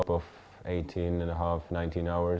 menj evenly kuil setiap tahun